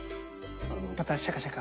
またシャカシャカ？